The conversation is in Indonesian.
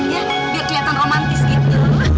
ya biar keliatan romantis gitu